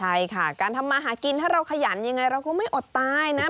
ใช่ค่ะการทำมาหากินถ้าเราขยันยังไงเราก็ไม่อดตายนะ